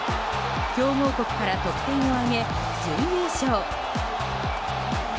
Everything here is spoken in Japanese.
強豪国から得点を挙げ準優勝。